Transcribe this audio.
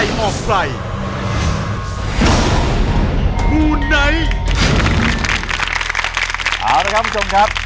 เอานะครับผู้ชมครับ